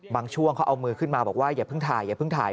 ช่วงเขาเอามือขึ้นมาบอกว่าอย่าเพิ่งถ่ายอย่าเพิ่งถ่าย